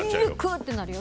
ってなるよ。